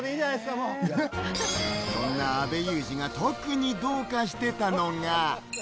そんな阿部祐二が特にどうかしていたのが。